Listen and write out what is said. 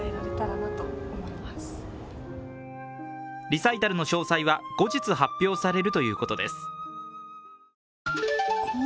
リサイタルの詳細は後日発表されるということです。